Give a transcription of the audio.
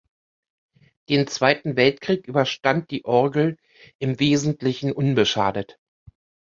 Den Zweiten Weltkrieg überstand die Orgel im Wesentlichen unbeschadet.